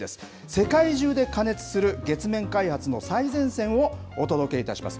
世界中で過熱する月面開発の最前線をお届けいたします。